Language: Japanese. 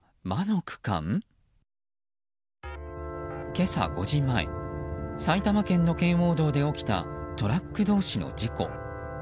今朝５時前埼玉県の圏央道で起きたトラック同士の事故。